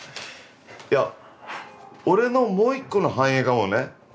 いや俺のもう一個の反映かもね。